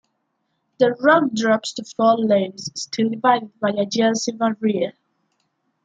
The road drops to four lanes, still divided by a Jersey barrier.